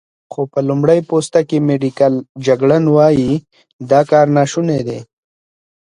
خو په لمړی پوسته کې، میډیکل جګړن وايي، دا کار ناشونی دی.